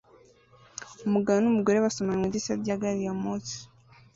Umugabo n'umugore basomana mu idirishya rya gari ya moshi